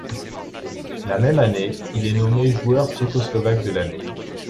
La même année, il est nommé joueur tchécoslovaque de l'année.